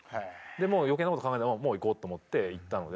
もう余計な事考えないもう行こうと思って行ったので。